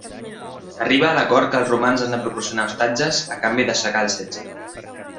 S'arriba a l'acord que els romans han de proporcionar ostatges, a canvi d'aixecar el setge.